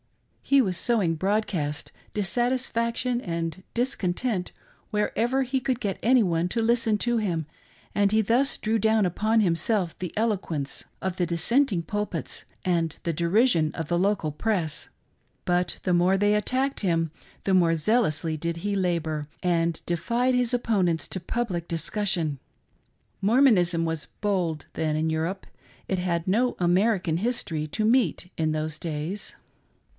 He was sow ing broadcast dissatisfaction and discontent wherever he could get any one to listen to him, and thus he drew down upon himself the eloquence of the dissenting pulpits and the deri sion of the local press. But the more they attacked him the more zealously did he labor, and defied his opponents to public discussion. Mormonism was bold then in Europe ^it had no American history to meet in those days.